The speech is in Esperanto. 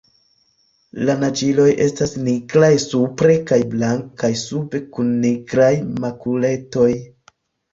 La naĝiloj estas nigraj supre kaj blankaj sube kun nigraj makuletoj.